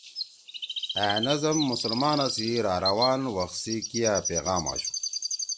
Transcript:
أ نظم مسلمانا سی راروان وخ سی کیا پیغام آشُو